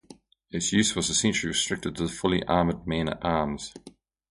Its use was essentially restricted to the fully armoured man-at-arms.